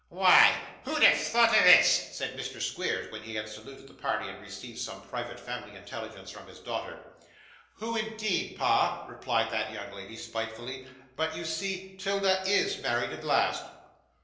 'Why, who'd have thought of this?' said Mr. Squeers, when he had saluted the party and received some private family intelligence from his daughter. 'Who, indeed, pa!' replied that young lady, spitefully. 'But you see 'Tilda IS married at last.